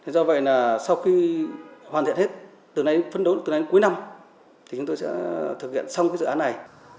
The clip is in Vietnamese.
do vậy là sau khi hoàn thiện hết từ nay đến cuối năm thì chúng tôi sẽ thực hiện xong cái dự án này